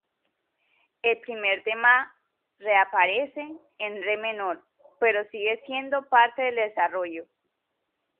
El primer tema reaparece en re menor, pero sigue siendo parte del desarrollo.